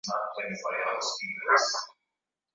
Mtoto anaenda shuleni.